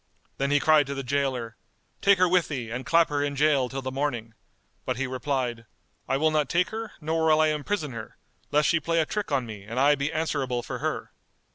Then he cried to the gaoler, "Take her with thee and clap her in gaol till the morning;" but he replied, "I will not take her nor will I imprison her lest she play a trick on me and I be answerable for her."